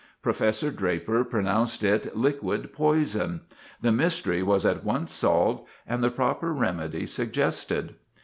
Prof. Draper pronounced it liquid poison. The mystery was at once solved, and the proper remedy suggested.